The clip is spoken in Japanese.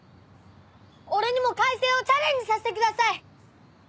俺にも開成をチャレンジさせてください！